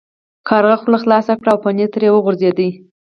کارغه خوله خلاصه کړه او پنیر ترې وغورځید.